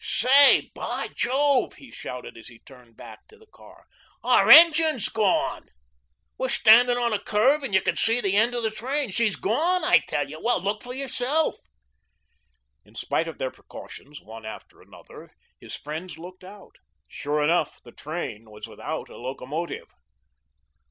"Say, by jove," he shouted, as he turned back to the car, "our engine's gone. We're standing on a curve and you can see the end of the train. She's gone, I tell you. Well, look for yourself." In spite of their precautions, one after another, his friends looked out. Sure enough, the train was without a locomotive.